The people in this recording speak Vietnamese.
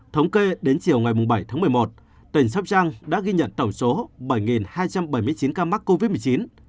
thống kê đến chiều ngày bảy tháng một mươi một tỉnh sắp trăng đã ghi nhận tổng số bảy hai trăm bảy mươi chín ca mắc covid một mươi chín